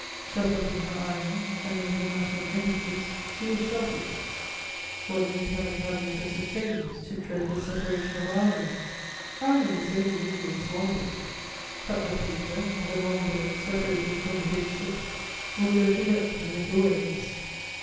Shut up in her island and in her national enmities, she was sheltered. What need had the Cabinet of St. James to dread the separation of Ireland? Ireland is only England's long boat: cut the painter, and the long boat, separated from the big ship, will go to wreck amid the waves.